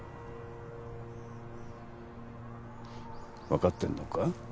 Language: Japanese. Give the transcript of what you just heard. わかってんのか？